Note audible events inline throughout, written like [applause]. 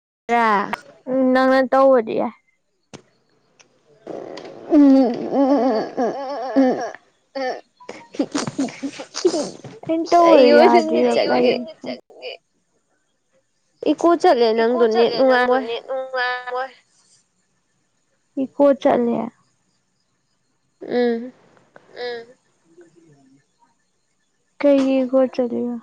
[unintelligible] ꯇꯧꯕꯗꯤ ꯌꯥꯏ [unintelligible] ꯑꯩꯅ ꯇꯧꯕꯗꯣ ꯌꯥꯗꯔꯤꯔ ꯀꯩ ꯏꯀꯨ ꯆꯠꯂꯦ ꯅꯪꯗꯨ ꯅꯦꯠ ꯅꯨꯡꯉꯥꯏꯔꯝꯃꯣꯏ ꯏꯀꯣ ꯆꯠꯂꯦ ꯎꯝ ꯀꯩꯒꯤ ꯏꯀꯣ ꯆꯠꯂꯤꯅꯣ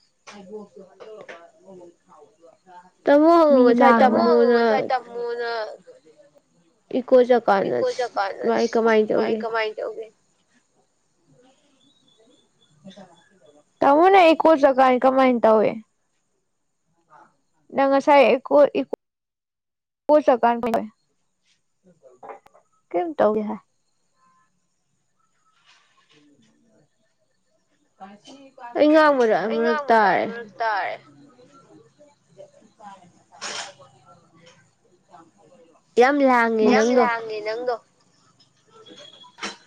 [unintelligible] [unintelligible] [inaudible] ꯏꯀꯣ ꯆꯠ ꯀꯥꯟꯗ ꯀꯃꯥꯏ ꯀꯃꯥꯏꯅ ꯇꯧꯒꯦ ꯇꯃꯣ ꯅꯪ ꯏꯀꯣ ꯆꯠ ꯥꯀꯃꯥꯏ ꯀꯃꯥꯏ ꯇꯧꯋꯦ ꯅꯪ ꯉꯁꯥꯏ ꯏꯀꯣ ꯏꯀꯣ ꯆꯠꯀꯥꯟ ꯀꯩꯝ ꯇꯧ ꯍꯥꯏ [inaudible] ꯀꯥꯏ ꯑꯩ ꯉꯥꯡꯕꯅ ꯑꯃꯔꯛ ꯇꯥꯔꯦ [inaudible] ꯌꯥꯝ ꯂꯥꯡꯉꯦ ꯅꯪꯗꯣ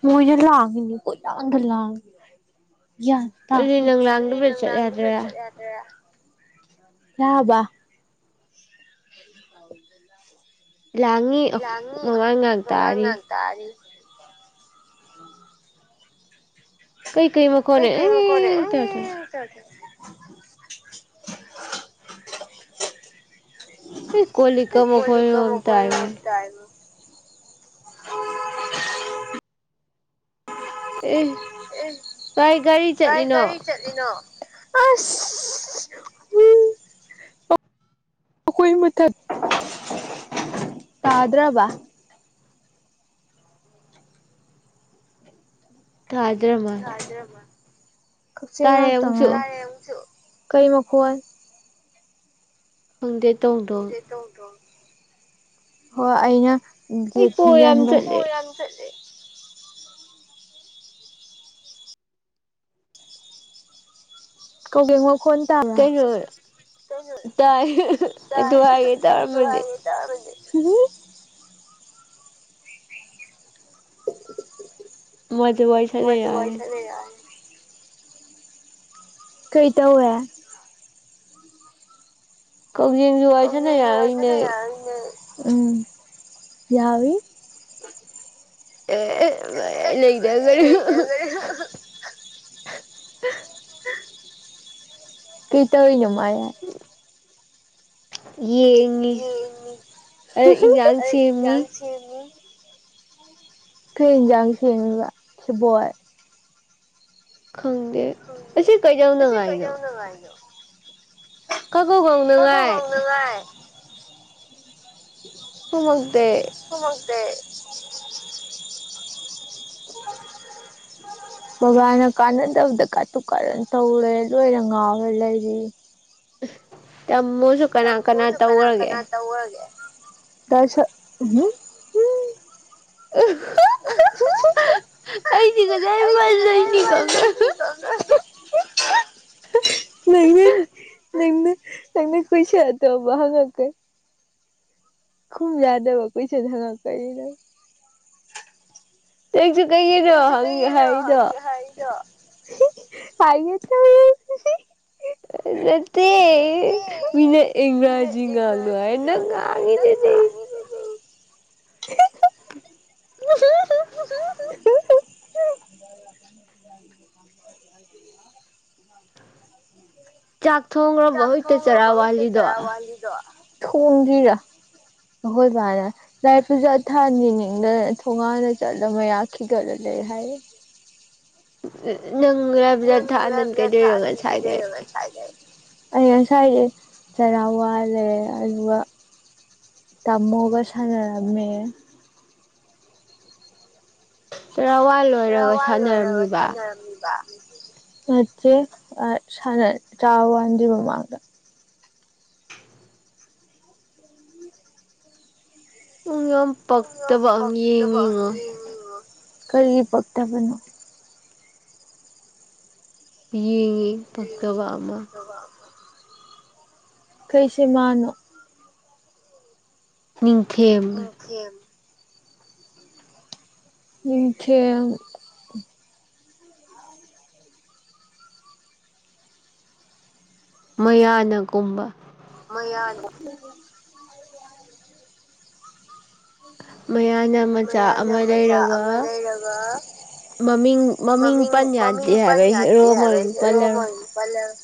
ꯃꯣꯏꯅ ꯂꯥꯡꯉꯤꯅꯤ ꯄꯨ ꯂꯥꯡꯗ ꯂꯥꯡꯉꯤ ꯌꯥꯟ ꯇꯣꯗꯦ ꯑꯗꯨꯗꯤ ꯅꯪ ꯂꯥꯡꯗꯕꯗ ꯆꯠ ꯌꯥꯗ꯭ꯔꯦ ꯌꯥꯕ [inaudible] ꯂꯥꯡꯉꯤ ꯃꯃꯥꯅ ꯉꯥꯡ ꯇꯥꯔꯤ [unintelligible] ꯀꯩ ꯀꯩ ꯃ ꯀꯅ ꯀꯣꯜꯂꯤꯛꯀ ꯃꯈꯣꯜꯏꯝ ꯇꯥꯏ ꯑꯦ ꯀꯥꯏ ꯒꯥꯔꯤ ꯆꯠꯂꯤꯅꯣ ꯑꯁ ꯎꯝ ꯑꯩꯈꯣꯏ ꯃꯊꯛ ꯇꯥꯗ꯭ꯔꯕ ꯇꯥꯗꯔꯕꯥ ꯀꯆꯤꯡ ꯂꯅꯥꯥꯛ ꯇ ꯉ ꯀꯩ ꯃꯈꯣꯜ ꯈꯪꯗꯦ ꯇꯧꯗꯣ ꯍꯣꯏ ꯑꯩꯅ ꯒꯦꯠ ꯊꯤꯡꯖꯤꯟꯕꯩ [inaudible] ꯀꯧꯗꯦ ꯃꯧ ꯀꯩꯅꯣ ꯇꯥꯏ ꯑꯗꯨ ꯍꯥꯏꯒꯦ ꯇꯧꯔꯝꯕꯅꯦ ꯍꯨꯝꯍꯨꯝ ꯃꯖꯨ ꯋꯥꯔꯤ ꯁꯅ ꯌꯥꯎꯅꯦ [inaudible] ꯀꯩ ꯇꯧꯋꯦ ꯀꯛꯖꯦꯡꯁꯨ ꯋꯥꯔꯤ ꯁꯥꯅ ꯌꯥꯎꯔꯤꯅꯦ ꯎꯝ ꯌꯥꯎꯋꯤ ꯑꯦ ꯑꯩ ꯂꯩꯗꯒꯔꯦ ꯀꯤ ꯇꯧꯔꯤꯅꯣ ꯋꯉꯥꯏ ꯌꯦꯡꯉꯤ ꯑꯩ ꯏꯟꯖꯥꯡ ꯁꯦꯝꯃꯤ ꯀꯩꯖꯥꯡ ꯏꯟꯖꯥꯡ ꯁꯦꯝꯃꯤꯕ ꯁꯦꯕꯣꯠ ꯈꯪꯗꯦ ꯑꯁꯤ ꯀꯩꯗꯧꯅꯉꯥꯏꯅꯣ ꯀꯪꯍꯧ ꯉꯧꯅꯉꯥꯏ ꯀꯨꯃꯛꯇꯦ ꯕꯕꯥꯅ ꯀꯥꯟꯅꯗꯕꯗ ꯀꯥꯇꯨ ꯀꯥꯔꯟ ꯇꯧ ꯂꯩꯔꯦ ꯑꯗꯨ ꯑꯣꯏꯅ ꯉꯥꯎꯔꯦꯌꯦ [inaudible] ꯇꯃꯣꯁꯨ ꯀꯅꯥ ꯀꯅꯥ ꯇꯧꯈ꯭ꯔꯒꯦ ꯇꯥ ꯑꯩꯗꯤ [unintelligible] ꯅꯪꯅ ꯅꯪꯅ ꯀꯣꯏꯁꯟ ꯑꯇꯣꯞꯄ ꯍꯪꯉꯛꯄꯩ ꯈꯨꯝ ꯌꯥꯗꯕ ꯀꯣꯏꯁꯟ ꯍꯪꯉꯛꯄꯩꯅꯤ ꯅꯪꯅ ꯅꯪꯁꯨ ꯀꯩꯒꯤꯅꯣ ꯍꯪꯉ ꯍꯥꯏꯔꯤꯗꯣ ꯐꯥꯒꯤ ꯇꯧꯅꯦ ꯏꯍꯤ ꯅꯠꯇꯦ ꯃꯤꯅ ꯏꯪꯔꯥꯖꯤ ꯉꯥꯡꯅꯣ ꯍꯥꯏꯔ ꯉꯥꯡꯉꯤꯗꯨꯗꯤ [inaudible] [inaudible] [unintelligible] ꯆꯥꯛ ꯊꯣꯡꯈ꯭ꯔꯕꯣ ꯍꯧꯖꯤꯛꯇ ꯆꯔꯥ ꯋꯥꯂꯤꯗꯣ ꯊꯣꯡꯗ꯭ꯔꯤꯗ ꯑꯩꯈꯣꯏꯕꯥꯅ ꯂꯥꯏ ꯄꯨꯖꯥ ꯊꯥꯟ ꯌꯦꯡꯅꯤꯡꯗꯅ ꯊꯣꯡꯉꯥꯟꯂꯩ ꯆꯠꯂꯣ ꯃꯌꯥ ꯈꯤꯒꯠꯂ ꯂꯩ ꯍꯥꯏꯔꯤ ꯂꯧꯁꯤꯟꯕ ꯉꯝꯗꯕ ꯅꯪ ꯂꯥꯏ ꯄꯨꯖꯥ ꯊꯥꯟꯗꯅ ꯀꯩꯗꯧꯔꯤꯕ ꯉꯁꯥꯏꯗꯩ ꯑꯩ ꯉꯁꯥꯏꯗꯩ ꯆꯔꯥ ꯋꯥꯂꯦ ꯑꯗꯨꯒ ꯇꯥꯃꯣꯒ ꯁꯥꯟꯅꯔꯝꯃꯦ ꯆꯔꯥ ꯋꯥꯟ ꯂꯣꯏꯔꯒ ꯁꯥꯟꯅꯔꯝꯃꯤꯕ ꯅꯠꯇꯦ ꯑ ꯁꯥꯟꯅ ꯆꯔꯥ ꯋꯥꯟꯗ꯭ꯔꯤ ꯃꯃꯥꯡꯗ ꯎꯪ ꯌꯥꯝ ꯄꯛꯇꯕ ꯑꯃ ꯌꯦꯡꯉꯤꯉꯣ ꯀꯔꯤꯒꯤ ꯄꯛꯇꯕꯅꯣ ꯌꯦꯡꯉꯤ ꯌꯦꯡꯉꯤ ꯄꯛꯇꯕ ꯑꯃ ꯀꯩ ꯁꯤꯃꯥꯅꯣ ꯅꯤꯡꯊꯦꯝ- ꯅꯤꯡꯊꯦꯝ- ꯃꯌꯥꯅ ꯀꯨꯝꯕ ꯃꯌꯥꯅ ꯀꯨꯝꯕ ꯃꯌꯥꯅ ꯃꯆꯥ ꯑꯃ ꯂꯩꯔꯒ ꯃꯃꯤꯡ ꯃꯃꯤꯡ ꯄꯟ ꯌꯥꯗꯦ ꯍꯥꯏꯕꯩ ꯍꯦꯔꯣ ꯃꯃꯤꯡ ꯄꯜꯂ [inaudible]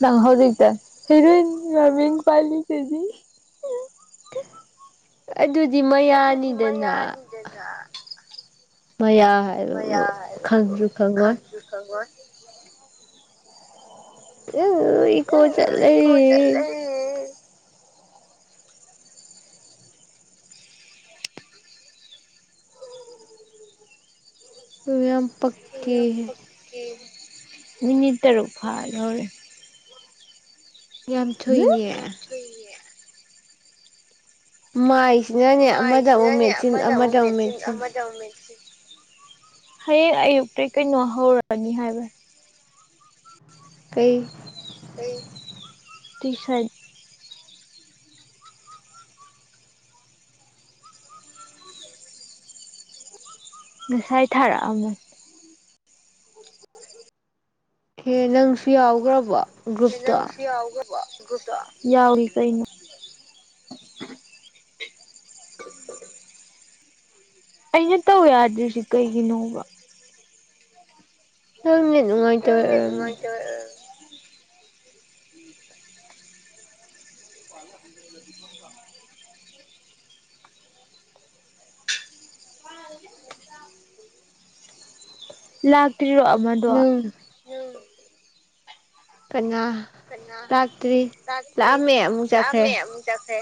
ꯅꯪ ꯍꯧꯖꯤꯛꯇ ꯍꯤꯔꯣꯏꯟ ꯃꯃꯤꯡ ꯄꯜꯂꯤꯗꯨꯗꯤ ꯑꯗꯨꯗꯤ ꯃꯌꯥꯅꯤꯗꯅ ꯃꯌꯥ ꯍꯥꯏꯕꯕꯨ ꯈꯪꯖꯨ ꯈꯪꯉꯣꯏ ꯅꯪꯒꯤꯗꯣ ꯏꯀꯣ ꯆꯠꯂꯦ ꯃꯌꯥꯝ ꯁꯤ ꯌꯥꯝ ꯄꯛꯇꯦ ꯃꯤꯅꯤꯠ ꯇꯔꯨꯛ ꯐꯥꯗꯧꯔꯦ ꯎꯝꯝ---ꯌꯝ ꯊꯨꯏꯅꯦ ꯃꯥꯏꯁ ꯃꯥꯏꯁꯤꯅꯅꯦ ꯑꯃꯗ ꯑꯃꯨꯛ ꯃꯦꯠꯁꯤꯟ ꯑꯃꯗ ꯑꯃꯨꯛ ꯃꯦꯠꯁꯤꯟ ꯍꯌꯦꯡ ꯑꯌꯨꯛꯇꯩ ꯀꯩꯅꯣ ꯍꯧꯔꯅꯤ ꯍꯥꯏꯕ ꯀꯩ ꯀꯩ ꯇꯨꯏꯁꯟ ꯉꯁꯥꯏ ꯊꯥꯔꯛ ꯑꯝꯕꯅꯤ ꯍꯦ ꯅꯪꯁꯨ ꯌꯥꯎꯒ꯭ꯔꯕꯣ ꯑꯦ ꯅꯪꯁꯨ ꯌꯥꯎꯒ꯭ꯔꯕꯣ ꯒ꯭ꯔꯨꯞ ꯒ꯭ꯔꯨꯞꯇꯣ ꯌꯥꯎꯔꯤ ꯀꯩꯅꯣ [inaudible] ꯑꯩꯅ ꯇꯧ ꯌꯥꯗ꯭ꯔꯤꯁꯤ ꯀꯩꯒꯤꯅꯣꯕ ꯇ ꯃꯇ [inaudible] ꯂꯥꯛ [unintelligible] ꯑꯃꯗꯣ ꯀꯩꯅ ꯀꯅꯥ ꯂꯥꯛꯇꯔꯤ ꯂꯥꯛꯑꯝꯃꯦ ꯑꯃꯨꯛ ꯆꯠꯈ꯭ꯔꯦ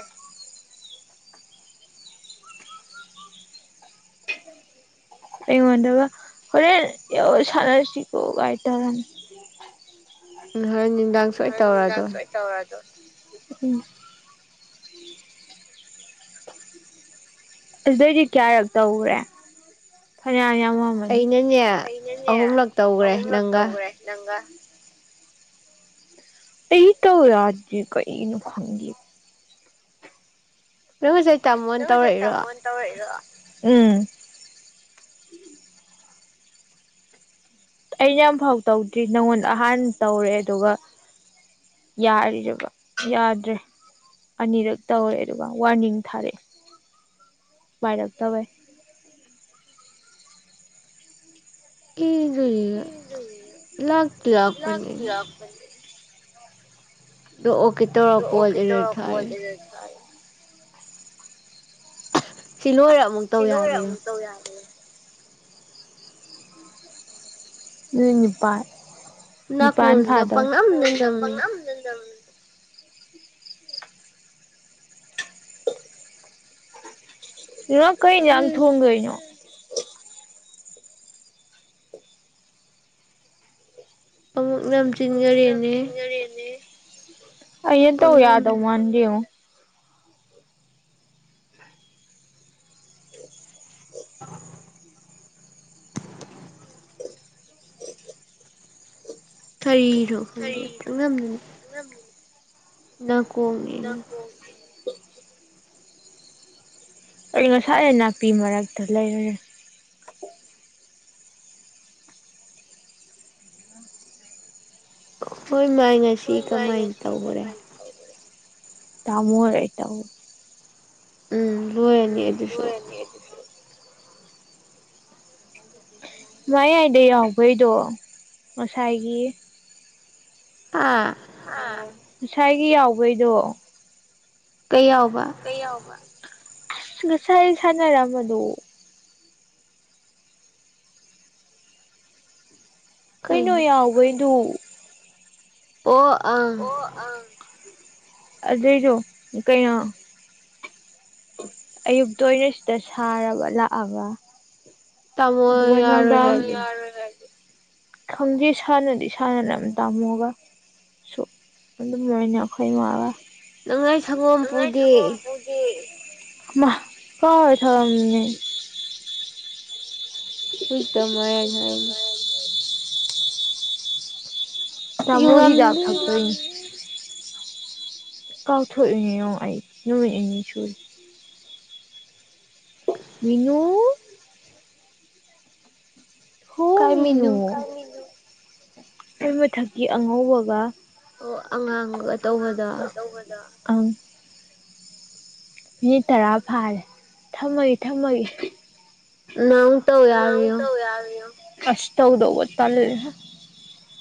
ꯑꯩꯉꯣꯟꯗꯕ ꯍꯣꯔꯦꯟ ꯁꯁꯤꯀꯥꯏꯇꯥꯔꯅꯤ ꯎ ꯍ ꯉ ꯅꯨꯡꯗꯥꯡꯁꯨꯣꯏ ꯇꯧꯔꯗꯣ ꯎꯝ ꯑꯗꯨꯗꯩꯗꯤ ꯀꯌꯥꯔꯛ ꯇꯧꯈꯔꯦ ꯐꯅ ꯑꯩꯅꯅꯦ ꯑꯍꯨꯝꯂꯛ ꯇꯧꯈ꯭ꯔꯦ ꯅꯪꯒ ꯎ ꯑꯩ ꯇꯔꯥ ꯀꯏꯅ ꯐꯪꯒꯤ ꯅꯪ ꯉꯁꯥꯏ ꯇꯥꯃꯣꯣꯟ ꯇꯧꯔꯛꯏꯔꯣ ꯎꯝ ꯑꯩꯅ ꯌꯥꯝꯐꯥꯎ ꯇꯧꯗ꯭ꯔꯤ ꯅꯪꯉꯣꯟꯗ ꯑꯍꯥꯟꯕ ꯇꯧꯔꯦ ꯑꯗꯨꯒ ꯌꯥ ꯌꯥꯗ꯭ꯔꯦ ꯑꯅꯤꯔꯛ ꯇꯧꯔꯦ ꯑꯗꯨꯒ ꯋꯥꯔꯅꯤꯡ ꯊꯥꯔꯛꯑꯦ ꯥꯏꯔꯞ ꯇꯋꯦ ꯀ ꯎ ꯂꯥꯛꯇ ꯅ ꯑꯣꯀꯦ ꯇꯧꯔꯛ ꯄꯣꯜ ꯏꯔ ꯊꯥꯔꯦ ꯁꯤ ꯂꯣꯏꯔꯒ ꯑꯃꯨꯛ ꯇꯧꯋꯦ ꯍꯥꯏꯕ ꯌꯥꯣ ꯅꯨꯅꯤꯄꯥꯜ ꯅꯥꯀꯣꯡꯁꯤꯅ ꯄꯥꯛꯅꯝꯗ ꯅꯝꯃꯤ [inaudible] ꯌ ꯀꯩꯖꯥꯡꯪ ꯊꯨꯣꯡ ꯑꯃꯨꯛ ꯅꯝꯁꯤꯟꯈꯔꯦꯅꯦ [inaudible] ꯑ ꯇ ꯌꯥꯗ ꯑꯧꯃꯥꯟꯒꯤꯌꯨ ꯀꯔꯤꯅꯣ ꯈꯪꯗꯦꯪꯉꯝꯅꯤ ꯅ ꯅꯀꯣ ꯑꯩ ꯉꯁꯥꯏ ꯅꯥꯄꯤ ꯃꯔꯛꯇ ꯂꯩꯔꯨꯔꯦ ꯍꯣꯏ ꯃꯥꯏ ꯉꯁꯤ ꯀꯃꯥꯏꯅ ꯇꯧꯈꯔꯦ ꯇꯥꯃꯣ ꯑꯦ ꯇꯕꯨ ꯎꯝ ꯂꯣꯏꯔꯅꯤ ꯑꯗꯨꯁꯨ ꯃꯌꯥꯏꯗ ꯌꯥꯎꯕꯩꯗꯣ ꯉꯁꯥꯏꯒꯤ ꯍꯥ ꯑ ꯉꯁꯥꯏ ꯒꯤ ꯌꯥꯎꯕꯩꯗꯣ ꯀꯩ ꯌꯥꯎꯕ ꯑꯁ ꯉꯁꯥꯏ ꯁꯥꯅꯔꯝꯕꯗꯣ ꯀꯩꯅꯣ ꯌꯥꯎꯕꯩꯗꯨ ꯑꯣ ꯑ ꯑꯗꯨꯏꯗꯣ ꯀꯩꯅꯣ ꯑꯌꯨꯛꯇ ꯑꯣꯏꯅ ꯁꯤꯗ ꯁꯥꯔꯕ ꯂꯥꯛꯑꯒ ꯑꯗꯨꯒ ꯅꯨꯡꯗꯥꯡ ꯈꯪꯗꯦ ꯁꯥꯟꯅꯗꯤ ꯁꯥꯟꯅꯔꯝꯅꯤ ꯇꯥꯝꯃꯣꯒ ꯁꯨ ꯑꯗꯨꯝ ꯂꯣꯏꯅ ꯑꯩꯈꯣꯏ ꯃꯥꯒ ꯇꯥꯃꯣꯅ ꯌꯥꯔꯣꯏ ꯍꯥꯏꯗꯤ ꯃ꯭ꯍꯥ ꯀꯥꯎꯔ ꯊꯅꯝꯃꯤꯅꯦ ꯍꯗ ꯃꯌꯥꯖ ꯍꯥꯏꯅꯦ ꯆꯃꯣ ꯍ ꯌꯥꯥꯛ ꯊꯄꯣꯏ [inaudible] ꯀꯥꯎꯊꯣꯛꯏꯅꯤꯉꯣ ꯑꯩ ꯅꯨꯃꯤꯏꯉꯤ ꯁꯨ ꯃꯤꯌꯨ ꯍꯉꯨ ꯑꯩ ꯃꯊꯛꯀꯤ ꯑꯉꯧꯕꯒ ꯑꯣ ꯑꯉꯥꯡꯒ ꯇꯧꯕꯗ ꯑꯪ ꯃꯤꯅꯤꯠ ꯇꯔꯥ ꯐꯥꯔꯦ ꯊꯝꯃꯒꯦ ꯊꯝꯃꯒꯦ ꯅꯅꯥꯎ ꯇꯧ ꯌꯥꯣ ꯑꯁ ꯇꯧꯗꯧꯕ ꯇꯜꯂꯦ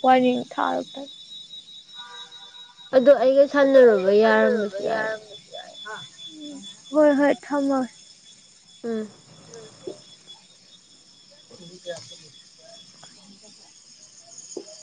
ꯋꯥꯔꯤ ꯊꯥꯔꯛꯇ ꯑꯗꯨ ꯑꯩꯅ ꯈꯜꯂꯨꯔꯕ ꯌꯥꯝꯗꯤ ꯍꯣꯏ ꯍꯣꯏ ꯊꯝꯃꯣ ꯎꯝ ꯊꯗꯁ